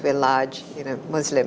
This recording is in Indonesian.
kami adalah negara yang besar muslim